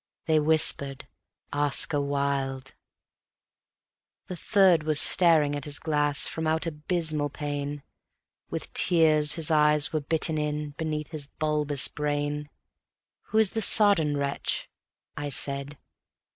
They whispered "Oscar Wilde." The third was staring at his glass from out abysmal pain; With tears his eyes were bitten in beneath his bulbous brain. "Who is the sodden wretch?" I said.